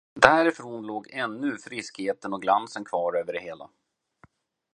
Därifrån låg ännu friskheten och glansen kvar över det hela.